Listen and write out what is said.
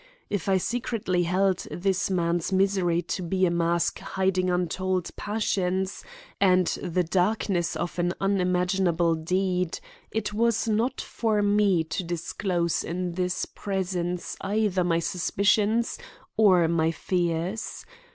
If I secretly held this man's misery to be a mask hiding untold passions and the darkness of an unimaginable deed, it was not for me to disclose in this presence either my suspicions or my fears.